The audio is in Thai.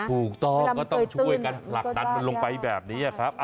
ถูกต้องก็ต้องช่วยกันผลักดันมันลงไปแบบนี้ครับ